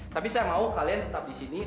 tapi saya mau kalian tetap di sini